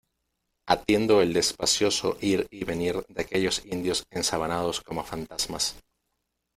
atiendo el despacioso ir y venir de aquellos indios ensabanados como fantasmas,